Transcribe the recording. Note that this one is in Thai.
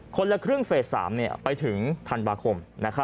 คนละครึ่งเฟส๓ไปถึงธันวาคม